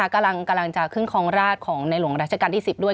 กำลังจะขึ้นคลองราชของในหลวงราชการที่๑๐ด้วย